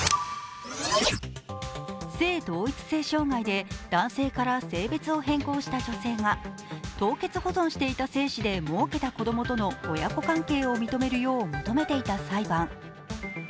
性同一性障害で男性から性別変更した女性が凍結保存していた精子でもうけた子供との親子関係を認めるよう求めていた裁判。